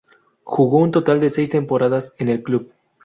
Jugó un total de seis temporadas en el club.